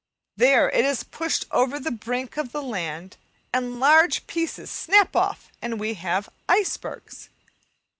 There it is pushed over the brink of the land, and large pieces snap off, and we have "icebergs."